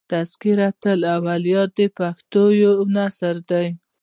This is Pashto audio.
" تذکرة الاولیاء" د پښتو یو نثر دﺉ.